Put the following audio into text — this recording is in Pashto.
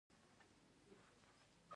د کندهار په سپین بولدک کې د مرمرو کانونه دي.